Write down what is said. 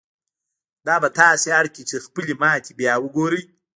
دا به تاسې اړ کړي چې خپلې ماتې بيا وګورئ.